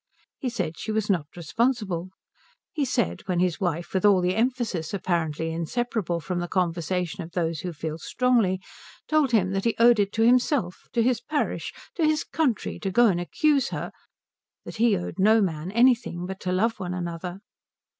He said she was not responsible. He said, when his wife with all the emphasis apparently inseparable from the conversation of those who feel strongly, told him that he owed it to himself, to his parish, to his country, to go and accuse her, that he owed no man anything but to love one another.